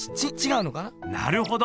なるほど。